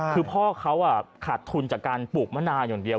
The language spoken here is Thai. คือพ่อเขาขาดทุนจากการปลูกมะนาวอย่างเดียว